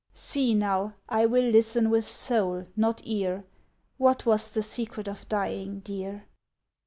"See now; I will listen with soul, not ear; What was the secret of dying, dear?